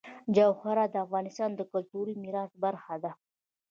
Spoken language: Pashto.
جواهرات د افغانستان د کلتوري میراث برخه ده.